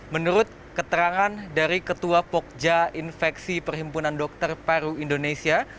menurut keterangan dari ketua pokja infeksi perhimpunan dokter paru indonesia